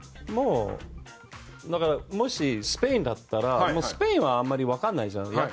だから、もしスペインだったらスペインはあんまり分かんないじゃないですか。